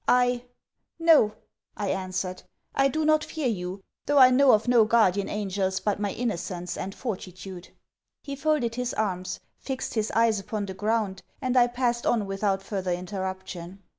'I ' 'No,' I answered. 'I do not fear you, though I know of no guardian angels but my innocence and fortitude.' He folded his arms, fixed his eyes upon the ground, and I passed on without further interruption.